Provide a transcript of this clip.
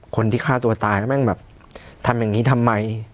คนที่ฆ่าตัวตายแล้วแม่งแบบทำอย่างนี้ทำไม